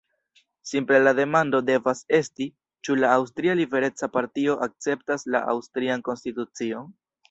Simple la demando devas esti: ĉu la Aŭstria Libereca Partio akceptas la aŭstrian konstitucion?